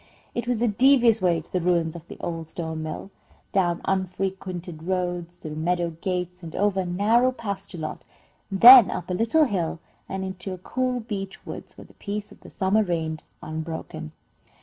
It was a devious way to the ruins of the old stone mill, down unfrequented roads, through meadow gates, and over a narrow pasture lot, then up a little hill and into a cool beech woods, where the peace of the summer reigned unbroken.